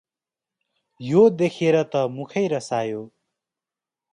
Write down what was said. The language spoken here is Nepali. यो देखेर त मुखै रसायो।